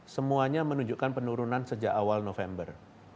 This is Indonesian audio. semuanya menunjukkan penurunan sejak awal november